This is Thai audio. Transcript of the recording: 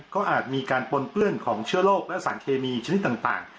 ก็อาจมีการปนเปื้อนของเชื้อโรคและสารเคมีชนิดต่าง